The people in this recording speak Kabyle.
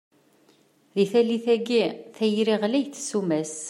Deg tallit-agi, tayri ɣlayet ssuma-s!